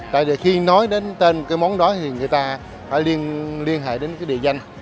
tại vì khi nói đến tên cái món đó thì người ta phải liên hệ đến cái địa danh